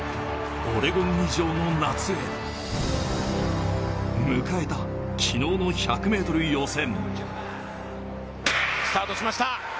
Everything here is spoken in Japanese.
オレゴン以上の夏へ、迎えた昨日の１００ｍ予選。